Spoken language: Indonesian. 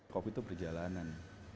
kopi itu perjalanan